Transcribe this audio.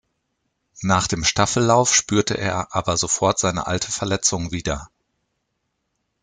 Nach dem Staffellauf spürte er aber sofort seine alte Verletzung wieder.